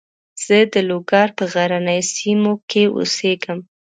زه د لوګر په غرنیو سیمو کې اوسېږم.